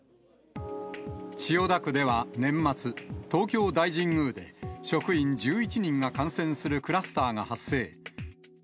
千代田区では年末、東京大神宮で職員１１人が感染するクラスターが発生。